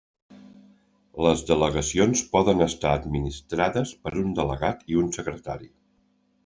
Les delegacions poden estar administrades per un delegat i un secretari.